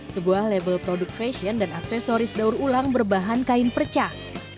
sebuah label produk fashion dan aksesoris daur ulang berbahan kain percah